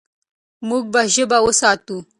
موږ به ژبه وساتو.